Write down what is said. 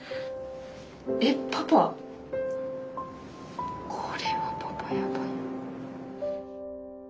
えっパパこれはパパやばい。